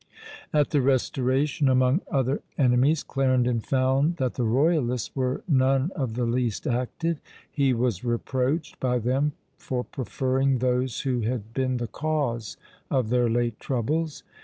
At the Restoration, among other enemies, Clarendon found that the royalists were none of the least active; he was reproached by them for preferring those who had been the cause of their late troubles.